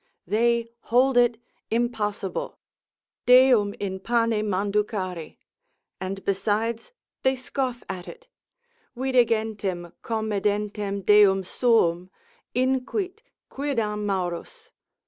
They hold it impossible, Deum in pane manducari; and besides they scoff at it, vide gentem comedentem Deum suum, inquit quidam Maurus.